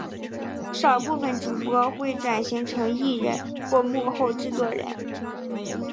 少部份主播会转型成艺人或幕后制作人。